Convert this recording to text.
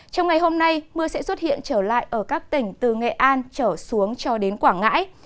trong ngày hôm nay mưa sẽ xuất hiện trở lại ở các tỉnh từ nghệ an trở xuống cho đến quảng ngãi